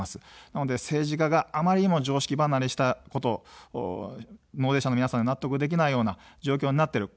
なので政治家があまりにも常識離れしたこと、納税者の皆さんが納得できないような状況になっている。